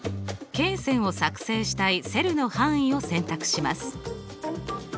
罫線を作成したいセルの範囲を選択します。